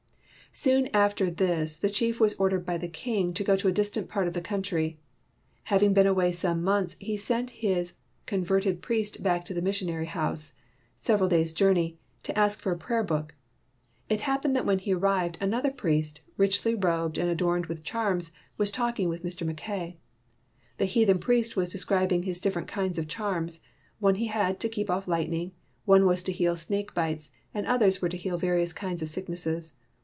Soon after this the chief was ordered by the king to go to a distant part of the coun try. Having been away some months, he sent his converted priest back to the mis sion house, several days' journey, to ask for a prayer book. It happened that when he arrived, another priest, richly robed and adorned with charms, was talking with Mr. Mackay. The heathen priest was describ ing his different kinds of charms; one he had to keep off lightning; one was to heal snake bites ; and others were to heal various kinds of sicknesses.